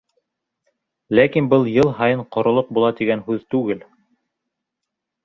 Ләкин был йыл һайын ҡоролоҡ була тигән һүҙ түгел.